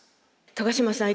高島さん